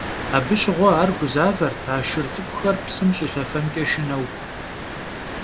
Abı şığue ar guzavert a şşır ts'ık'uxer psım ş'ilhefenç'e şşıneu.